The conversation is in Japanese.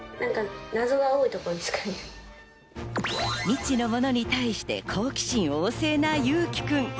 未知のものに対して好奇心旺盛な侑輝くん。